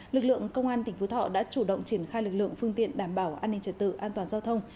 lực lượng công an tỉnh phú thọ đã chủ động triển khai lực lượng phương tiện đảm bảo an ninh trật tự an toàn giao thông